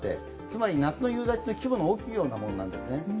つまり夏の夕立の規模が大きいものなんですね。